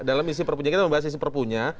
dalam isi perpunya kita membahas isi perpunya